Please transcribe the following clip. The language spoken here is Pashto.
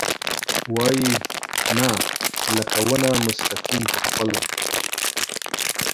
وايي ، نه ، لکه ونه مستقیم په خپل ...